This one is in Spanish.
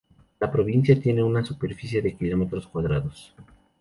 La provincia tiene una superficie de kilómetros cuadrados.